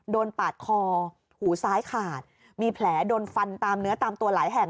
ปาดคอหูซ้ายขาดมีแผลโดนฟันตามเนื้อตามตัวหลายแห่ง